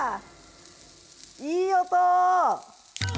いい音！